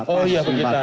oh iya begitu